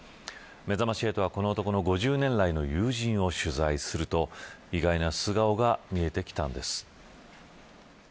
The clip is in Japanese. めざまし８は、この男の５０年来の友人を取材すると意外な素顔が見えてきたんです。